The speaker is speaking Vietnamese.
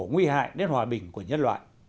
nguy hại đến hòa bình của nhân loại